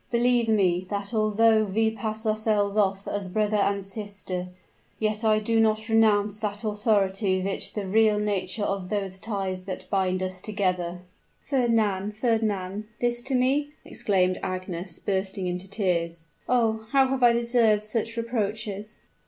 Believe me, that although we pass ourselves off as brother and sister, yet I do not renounce that authority which the real nature of those ties that bind us together " "Fernand! Fernand! this to me!" exclaimed Agnes, bursting into tears. "Oh! how have I deserved such reproaches?"